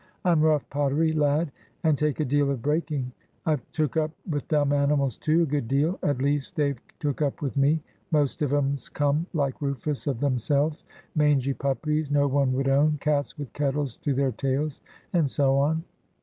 I'm rough pottery, lad, and take a deal of breaking. I've took up with dumb animals, too, a good deal. At least, they've took up with me. Most of 'em's come, like Rufus, of themselves. Mangy puppies no one would own, cats with kettles to their tails, and so on.